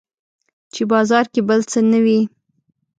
چې بازار کې بل څه نه وي